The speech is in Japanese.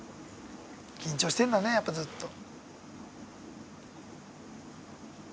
緊張してんだねやっぱずっと。